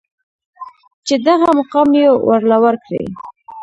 چې دغه مقام يې ورله ورکړې.